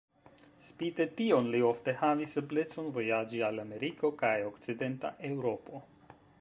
Spite tion, li ofte havis eblecon vojaĝi al Ameriko kaj Okcidenta Eŭropo.